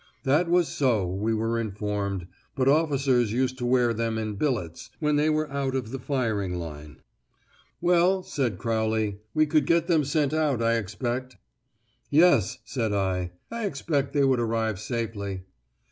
That was so, we were informed; but officers used to wear them in billets, when they were out of the firing line. "Well," said Crowley, "we could get them sent out, I expect." "Yes," said I; "I expect they would arrive safely."